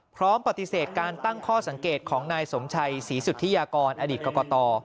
พร้อมปฏิเสธการตั้งข้อสังเกตของนายสมชัยศรีสุธิยากรอดีตกรกต